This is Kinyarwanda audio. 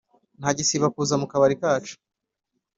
ntagisiba kuza mukabari kacu .